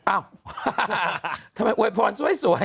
อ้าวทำไมอวยพรสวย